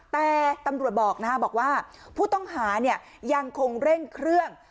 แต่ตำรวจบอกว่าผู้ต้องหาเนี่ยยังคงเร่งเครื่อง